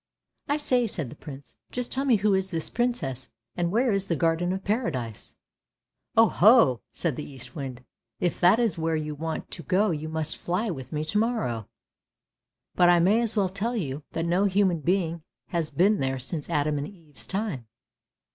" I say," said the Prince, " just tell me who is this Princess, and where is the Garden of Paradise? "" Oh ho! " said the Eastwind, " if that is where you want to go you must fly with me to morrow. But I may as well tell you that no human being has been there since Adam and Eve's time.